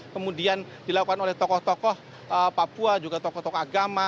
kemudian dilakukan oleh tokoh tokoh papua juga tokoh tokoh agama